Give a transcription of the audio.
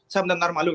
saya benar benar malu